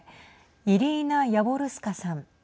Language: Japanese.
イリーナ・ヤボルスカさん。